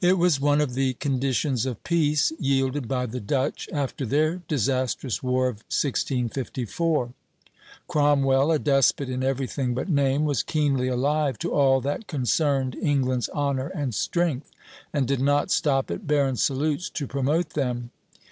It was one of the conditions of peace yielded by the Dutch after their disastrous war of 1654. Cromwell, a despot in everything but name, was keenly alive to all that concerned England's honor and strength, and did not stop at barren salutes to promote them.